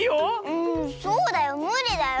うんそうだよ。むりだよ。